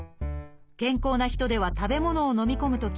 健康な人では食べ物をのみ込むとき